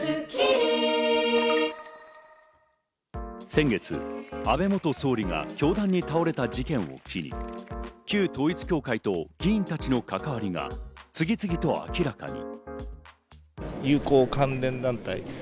先月、安倍元総理が凶弾に倒れた事件を機に、旧統一教会と議員たちの関わりが次々と明らかに。